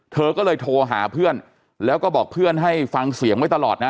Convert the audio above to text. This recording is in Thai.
เธอก็เลยโทรหาเพื่อนแล้วก็บอกเพื่อนให้ฟังเสียงไว้ตลอดนะ